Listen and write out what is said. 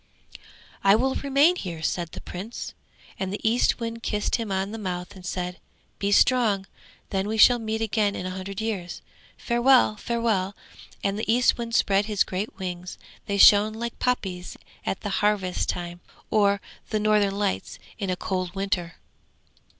'I will remain here!' said the Prince. And the Eastwind kissed him on the mouth and said: 'Be strong, then we shall meet again in a hundred years. Farewell! Farewell!' And the Eastwind spread his great wings; they shone like poppies at the harvest time, or the Northern Lights in a cold winter.